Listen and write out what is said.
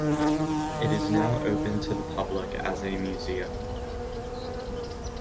It is now open to the public as a museum.